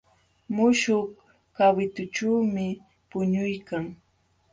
Muśhuq kawitućhuumi puñuykan.